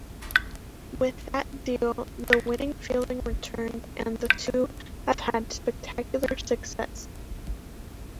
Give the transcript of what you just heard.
With that deal the winning feeling returned, and the two have had spectacular success.